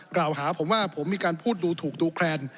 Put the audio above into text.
กล่าวหาผมว่าผมมีการพูดดูถูกดูแคลน